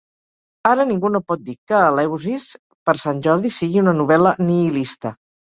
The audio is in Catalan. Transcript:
Ara ningú no pot dir que Eleusis per Sant Jordi sigui una novel·la nihilista.